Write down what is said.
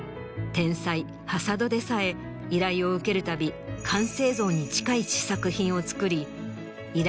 天才挾土でさえ依頼を受けるたび完成像に近い試作品を作り依頼